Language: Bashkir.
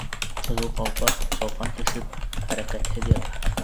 «Ҡыҙыл ҡалпаҡ», салҡан төшөп, хәрәкәтһеҙ ята.